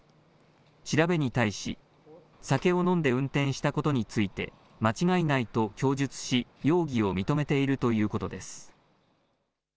調べに対し酒を飲んで運転したことについて間違いないと供述し容疑を認めているということです。